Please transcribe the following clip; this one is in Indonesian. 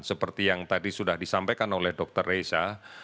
seperti yang tadi sudah disampaikan oleh dr reza